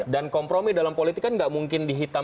dan kompromi dalam politik kan enggak mungkin dihitam